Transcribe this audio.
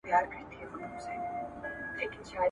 وايي مات مو خاینان کړل اوس به تښتي تور مخونه !.